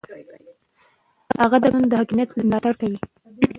هغه د قانون د حاکمیت ملاتړ کوي.